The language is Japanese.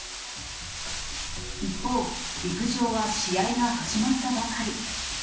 一方、陸上は試合が始まったばかり。